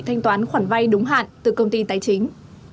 thanh toán khoản vay đúng hạn từ công ty tài chính